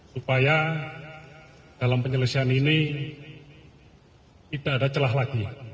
supaya dalam penyelesaian ini tidak ada celah lagi